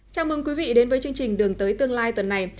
chào mừng quý vị đến với chương trình đường tới tương lai tuần này